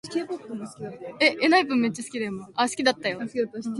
He launched the prize partly as a means to promote Lulu.